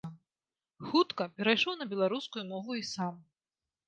Хутка перайшоў на беларускую мову і сам.